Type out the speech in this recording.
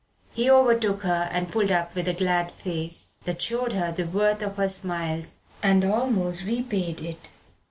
He overtook her and pulled up with a glad face, that showed her the worth of her smiles and almost repaid it.